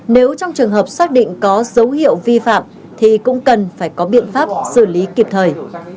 nếu trong trường hợp xác định có dấu hiệu vi phạm thì cũng cần phải có biện pháp xử lý kịp thời